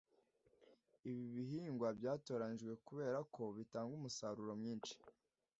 Ibi bihingwa byatoranyijwe kubera ko bitanga umusaruro mwinshi